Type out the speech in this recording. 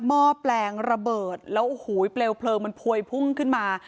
ห้อแปลงระเบิดแล้วโอ้โหเปลวเพลิงมันพวยพุ่งขึ้นมา